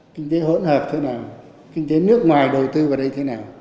kinh tế hỗn hợp thế nào kinh tế nước ngoài đầu tư vào đây thế nào